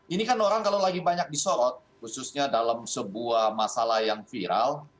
ini kan orang kalau lagi banyak disorot khususnya dalam sebuah masalah yang viral